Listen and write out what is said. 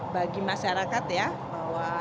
bagi masyarakat ya bahwa